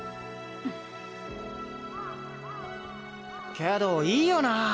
けどいいよなぁ。